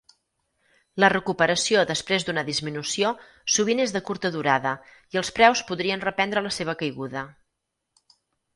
La recuperació després d'una disminució sovint és de curta durada i els preus podrien reprendre la seva caiguda.